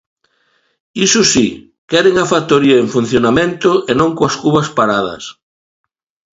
Iso si, queren a factoría en funcionamento e non coas cubas paradas.